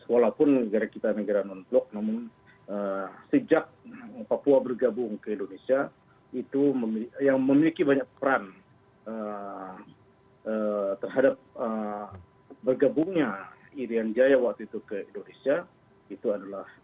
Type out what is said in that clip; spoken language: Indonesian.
walaupun negara kita negara non blok namun sejak papua bergabung ke indonesia itu yang memiliki banyak peran terhadap bergabungnya irian jaya waktu itu ke indonesia itu adalah